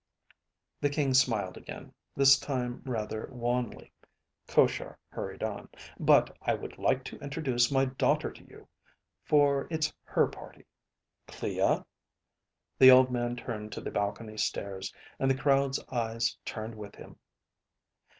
The King smiled again, this time rather wanly. Koshar hurried on. "But I would like to introduce my daughter to you, for it's her party. Clea ." The old man turned to the balcony stairs, and the crowd's eyes turned with him.